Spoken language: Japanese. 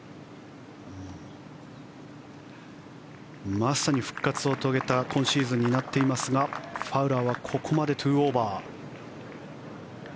まさに復活を遂げた今シーズンになっていますがファウラーはここまで２オーバー。